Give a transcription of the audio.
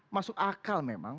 masuk akal memang